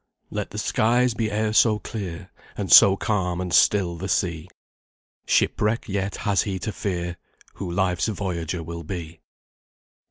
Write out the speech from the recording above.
Let the skies be e'er so clear, And so calm and still the sea, Shipwreck yet has he to fear, Who life's voyager will be."